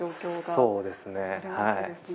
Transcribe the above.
そうですね、はい。